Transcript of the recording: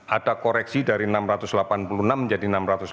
ada koreksi dari enam ratus delapan puluh enam menjadi enam ratus enam puluh